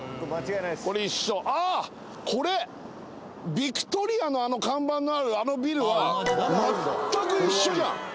「Ｖｉｃｔｏｒｉａ」のあの看板のあるあのビルは全く一緒じゃん。